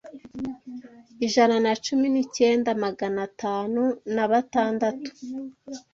ijana na cumi nicyenda maganatanu nabatandatu